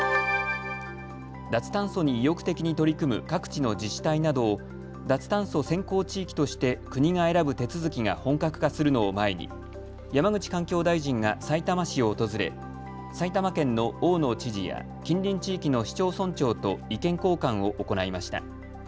脱炭素に意欲的に取り組む各地の自治体などを脱炭素先行地域として国が選ぶ手続きが本格化するのを前に山口環境大臣がさいたま市を訪れ埼玉県の大野知事や近隣地域の市町村長と意見交換を行いました。